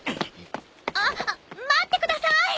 あっ待ってください。